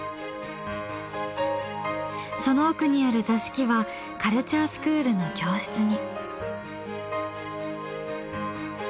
その奥にある座敷はカルチャースクールの教室に。